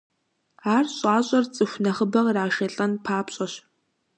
Ар щӀащӀэр цӀыху нэхъыбэ кърашалӀэн папщӏэщ.